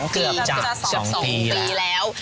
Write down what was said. เกือบจะ๒ปีแล้ว